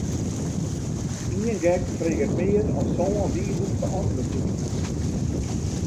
Ien gek freget mear as sân wizen beäntwurdzje kinne.